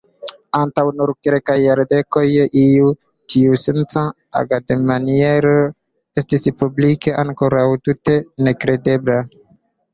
Antaŭ nur kelkaj jardekoj, iu tiusenca agadmaniero estis publike ankoraŭ tute nekredebla.